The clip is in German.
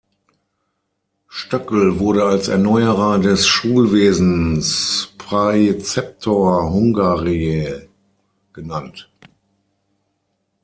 Stöckel wurde als Erneuerer des Schulwesens "„Praeceptor Hungariae“" genannt.